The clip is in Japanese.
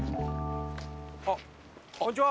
あっこんにちは！